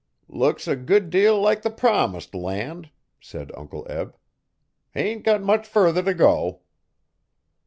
'Looks a good deal like the promised land,' said Uncle Eb. 'Hain't got much further t' go.'